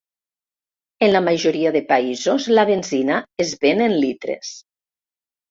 En la majoria de països, la benzina es ven en litres.